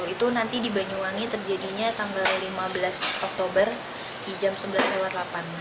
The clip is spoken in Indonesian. itu nanti di banyuwangi terjadinya tanggal lima belas oktober di jam sebelas lewat delapan